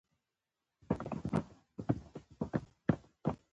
او نۀ ئې د فالوورز د پاره او نۀ د چا مريد يم